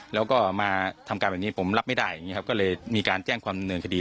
แล้วก็มาทำการแบบนี้ผมรับไม่ได้ก็เลยมีการแจ้งความเนินคดี